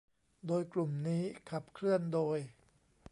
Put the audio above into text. โดยกลุ่มนี้ขับเคลื่อนโดย